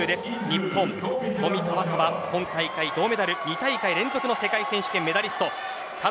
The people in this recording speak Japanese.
日本、冨田若春今大会銅メダル２大会連続の選手権メダリストです。